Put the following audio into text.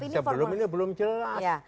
sebelum ini belum jelas